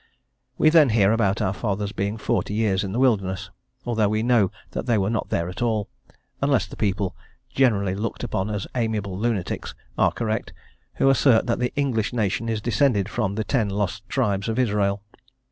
We then hear about our fathers being forty years in the wilderness, although we know that they were not there at all, unless the people generally looked upon as amiable lunatics are correct, who assert that the English nation is descended from the ten lost tribes of Israel.